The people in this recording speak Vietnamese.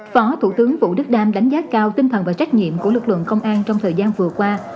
phó thủ tướng vũ đức đam đánh giá cao tinh thần và trách nhiệm của lực lượng công an trong thời gian vừa qua